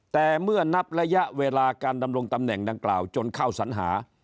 แต่เมื่อนับระยะเวลาการดำรงตำแหน่งดังกล่าวจนเข้าสัญหา